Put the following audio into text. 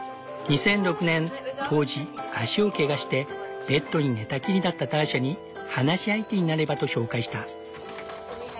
２００６年当時足をけがしてベッドに寝たきりだったターシャに話し相手になればと紹介した。